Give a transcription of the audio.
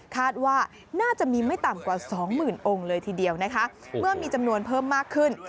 คาดว่าน่าจะมีไม่ต่ำกว่าสองหมื่นองค์เลยทีเดียวนะคะเมื่อมีจำนวนเพิ่มมากขึ้น